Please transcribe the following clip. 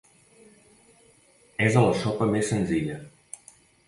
És a la sopa més senzilla.